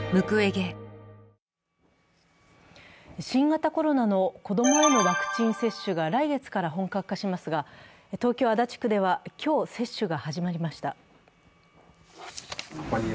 新型コロナの子供へのワクチン接種が来月から本格化しますが、東京・足立区では今日、接種が始まりました。